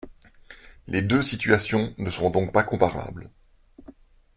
Les deux situations ne sont donc pas comparables.